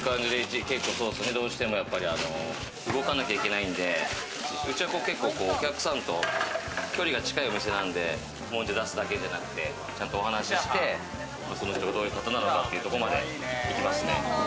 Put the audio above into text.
どうしても動かなきゃいけないんで、うちは結構お客さんと距離が近いお店なんで、もんじゃ出すだけじゃなくて、ちゃんとお話して、その人がどういう方なのかというところまで行きますね。